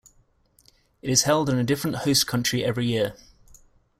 It is held in a different host country every year.